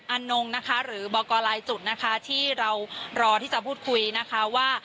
อันนงนะคะหรือบอกกรลายจุดนะคะที่เรารอที่จะพูดคุยนะคะว่า